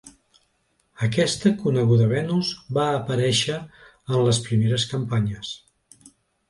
Aquesta coneguda Venus va aparèixer en les primeres campanyes.